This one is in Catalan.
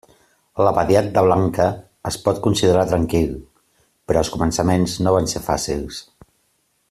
L'abadiat de Blanca es pot considerar tranquil, però els començaments no van ser fàcils.